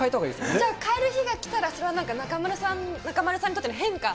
じゃあ変える日が来たら、それはなんか中丸さんにとっての変化？